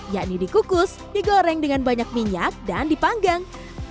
yakni dikukus digoreng dengan banyak minyak dan dipanggang